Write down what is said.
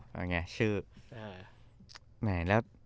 โอ้โหอันไงชื่อ